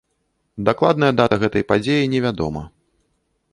Дакладная дата гэтай падзеі не вядома.